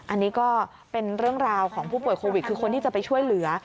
อันนี้ก็เป็นเรื่องราวของผู้ป่วยโควิดคือคนที่จะไปช่วยเหลือ